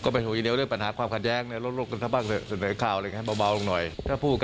ไม่รู้อะผลใครทำก็ไม่รู้